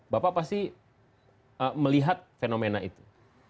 bapak pasti melihat fenomena itu